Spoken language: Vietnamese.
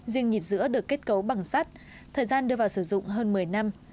riêng nhịp dữa được kết cấu bằng sắt thời gian đưa vào sử dụng hơn một mươi năm